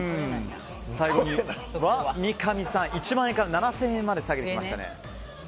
最後に三上さん１万円から７０００円まで下げましたね。